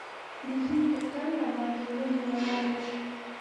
د سیند پر څنډه باندې ونې ولاړې وې.